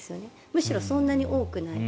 むしろそんなに多くない。